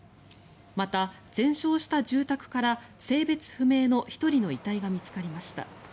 また、全焼した住宅から性別不明の１人の遺体が見つかりました。